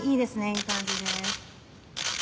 いい感じです。